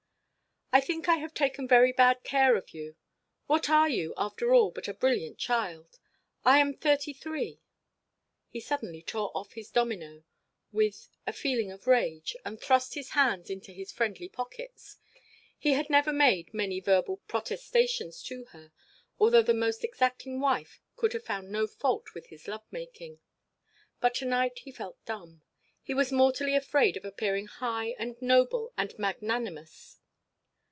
"I think I have taken very bad care of you. What are you, after all, but a brilliant child? I am thirty three " He suddenly tore off his domino with, a feeling of rage, and thrust his hands into his friendly pockets. He had never made many verbal protestations to her, although the most exacting wife could have found no fault with his love making. But to night he felt dumb; he was mortally afraid of appearing high and noble and magnanimous.